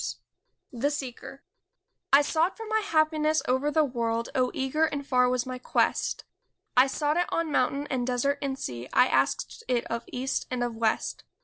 125 THE SEEKER I SOUGHT for my happiness over the world, Oh, eager and far was my quest; I sought it on mountain and desert and sea, I asked it of east and of west.